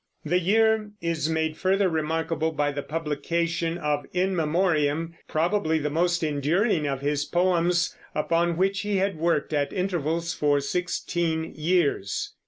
The year is made further remarkable by the publication of In Memoriam, probably the most enduring of his poems, upon which he had worked at intervals for sixteen years.